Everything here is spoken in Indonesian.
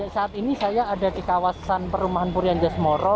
saat ini saya ada di kawasan perumahan purianja semoro